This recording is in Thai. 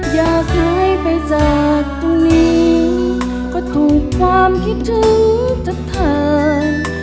อยากหายไปจากตรงนี้ก็ถูกความคิดถึงทักทาย